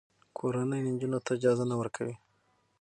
کورنۍ نجونو ته اجازه نه ورکوي.